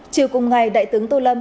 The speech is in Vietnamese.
chiều cùng ngày đại tướng tô lâm